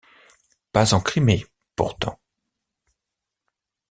Pas en Crimée, pourtant.